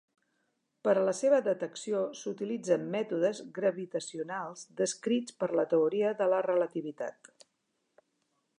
Per a la seva detecció s'utilitzen mètodes gravitacionals descrits per la teoria de la relativitat.